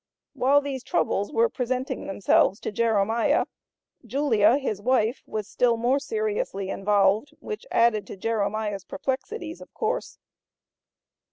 While these troubles were presenting themselves to Jeremiah, Julia, his wife, was still more seriously involved, which added to Jeremiah's perplexities, of course.